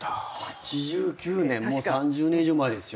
８９年もう３０年以上前ですよね。